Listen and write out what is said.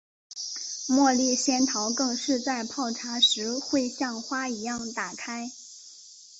茉莉仙桃更是在泡茶时会像花一样打开。